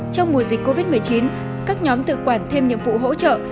trong mùa dịch covid một mươi chín các nhóm tự quản thêm nhiệm vụ hỗ trợ